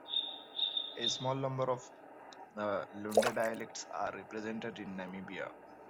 A small number of Lunda dialects are represented in Namibia.